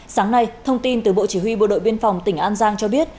sáng nay thông tin từ bộ chỉ huy bộ đội biên phòng tỉnh an giang cho biết